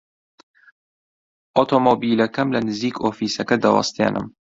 ئۆتۆمۆمبیلەکەم لە نزیک ئۆفیسەکە دەوەستێنم.